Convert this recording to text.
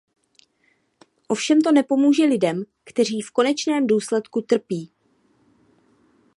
Ovšem to nepomůže lidem, kteří v konečném důsledku trpí.